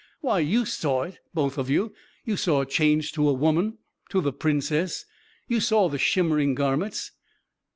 " Why, you saw it — both of you — you saw it change to a woman — to the Princess — you saw the shimmering gar ments